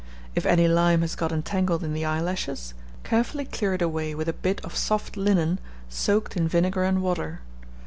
If any lime has got entangled in the eyelashes, carefully clear it away with a bit of soft linen soaked in vinegar and water.